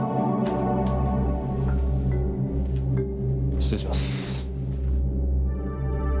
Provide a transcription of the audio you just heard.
失礼します。